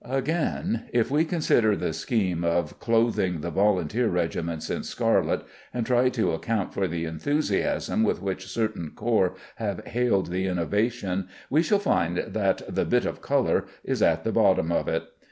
Again, if we consider the scheme of clothing the volunteer regiments in scarlet, and try to account for the enthusiasm with which certain corps have hailed the innovation, we shall find that the "bit of color" is at the bottom of it.